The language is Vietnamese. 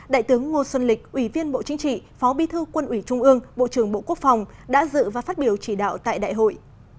đại tướng ngô xuân lịch ủy viên bộ chính trị phó bi thư quân ủy trung ương bộ trưởng bộ quốc phòng đã dự và phát biểu chỉ đạo tại đại hội